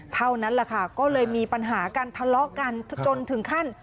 เท่านั้นแหละค่ะก็เลยมีปัญหากันทะเลาะกันจนถึงขั้น